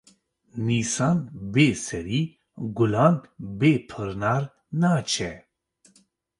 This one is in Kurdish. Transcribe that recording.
Nîsan bê serî, gulan bê pirnar naçe